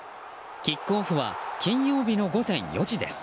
キックオフは金曜日の午前４時です。